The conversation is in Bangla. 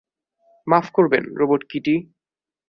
মাফ করবেন, রোবট কিটি।